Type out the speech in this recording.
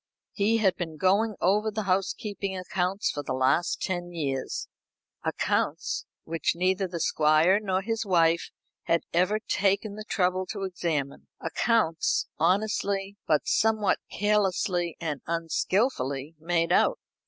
He had been going over the housekeeping accounts for the last ten years accounts which neither the Squire nor his wife had ever taken the trouble to examine accounts honestly, but somewhat carelessly and unskillfully made out.